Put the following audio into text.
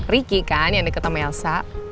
ricky kan yang deket sama elsa